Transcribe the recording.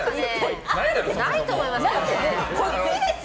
ないと思いますけどね。